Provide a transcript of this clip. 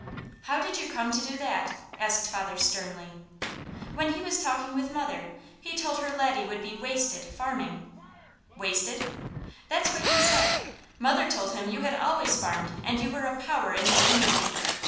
"How did you come to do that?" asked father sternly. "When he was talking with mother. He told her Laddie would be 'wasted' farming " "Wasted?" "That's what he said. Mother told him you had always farmed and you were a 'power in this community.'